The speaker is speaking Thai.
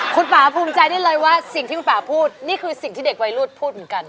คุณป่าภูมิใจได้เลยว่าสิ่งที่คุณป่าพูดนี่คือสิ่งที่เด็กวัยรุ่นพูดเหมือนกัน